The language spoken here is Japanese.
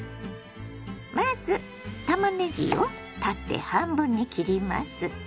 まずたまねぎを縦半分に切ります。